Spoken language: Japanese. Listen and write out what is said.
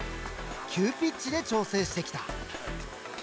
急ピッチで調整してきた。